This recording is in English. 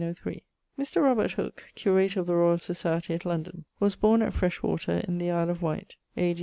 Mr. Robert Hooke, curator of the Royall Societie at London, was borne at Freshwater in the Isle of Wight, A.